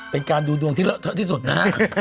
เป็นการดูดวงที่สุดนะ